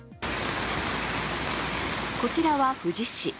こちらは富士市。